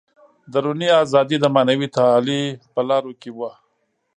دروني ازادي د معنوي تعالي په لارو کې وه.